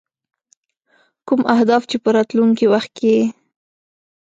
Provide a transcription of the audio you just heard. کوم اهداف چې په راتلونکي وخت کې.